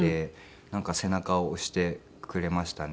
なんか背中を押してくれましたね。